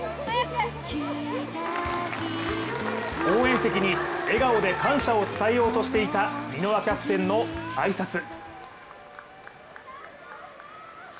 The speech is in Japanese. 応援席に笑顔で感謝を伝えようとしていた箕輪キャプテンの挨拶。